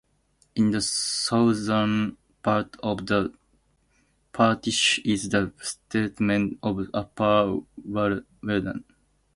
In the southern part of the parish is the settlement of Upper Welland.